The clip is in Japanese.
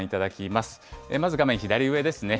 まず画面左上ですね。